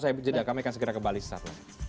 saya berjeda kami akan segera kebalik